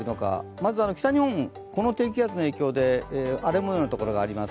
まず北日本、この低気圧の影響で荒れ模様のところがあります。